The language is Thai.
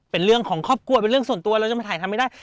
เป็นเรื่องของครอบครัวเป็นเรื่องส่วนตัวเราจะมาถ่ายทำไม่ได้